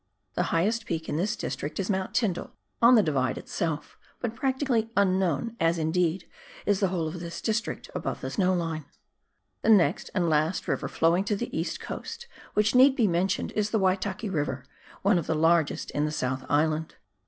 The highest peak in this district is Mount Tyndall, on the " Divide " itself, but practically unknown, as, indeed, is the whole of this district above the snow line. The next and last river flowing to the east coast which need be mentioned is the Waitaki River, one of the largest in the South Island.